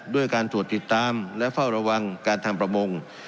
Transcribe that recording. ด้วยการตรวจติดตามและเฝ้าระวังการทำประมง